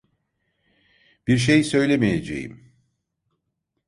Bir şey söylemeyeceğim.